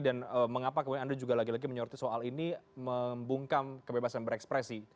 dan mengapa kemudian anda juga lagi lagi menyoroti soal ini membungkam kebebasan berekspresi